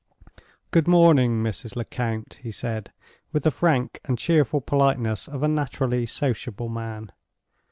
"Good morning, Mrs. Lecount," he said, with the frank and cheerful politeness of a naturally sociable man.